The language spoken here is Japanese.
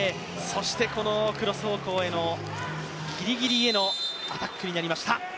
そしてクロス方向へのギリギリへのアタックとなりました。